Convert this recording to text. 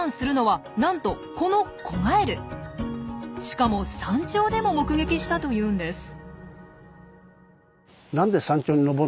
しかも山頂でも目撃したというんです。